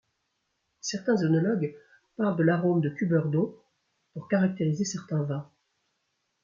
Certains œnologues parlent de l'arôme de cuberdon pour caractériser certains vins.